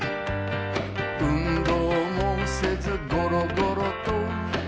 「運動もせずゴロゴロと」